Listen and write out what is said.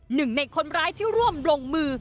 หนึ่งในคนร้ายที่ร่วมลงมือ